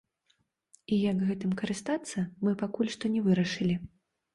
І як гэтым карыстацца, мы пакуль што не вырашылі.